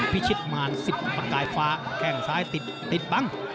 พริชิดมารสิบปากกายฟ้าแค่งซ้ายติดติดบัง